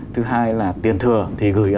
thứ hai là tiền thừa thì gửi